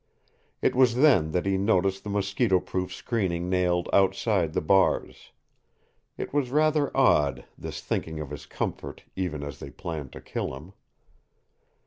It was then that he noticed the mosquito proof screening nailed outside the bars. It was rather odd, this thinking of his comfort even as they planned to kill him!